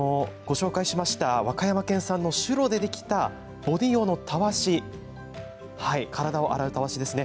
和歌山県産のシュロでできたボディー用のたわし体を洗うたわしですね。